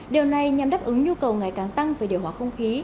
điều này nhằm đáp ứng nhu cầu ngày càng tăng về điều hòa không khí